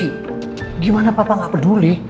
gimana papa gak peduli